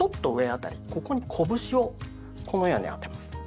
ここに拳をこのように当てます。